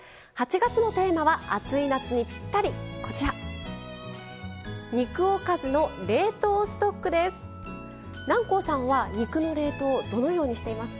８月のテーマは暑い夏にぴったり「肉おかずの冷凍ストック」です。